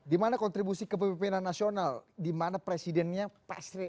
di mana kontribusi ke pemerintahan nasional di mana presidennya pasti presiden nasional